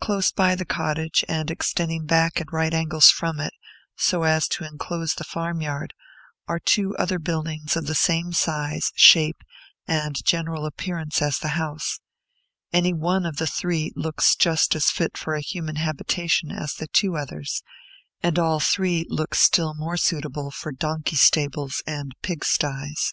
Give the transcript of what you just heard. Close by the cottage, and extending back at right angles from it, so as to enclose the farm yard, are two other buildings of the same size, shape, and general appearance as the house: any one of the three looks just as fit for a human habitation as the two others, and all three look still more suitable for donkey stables and pigsties.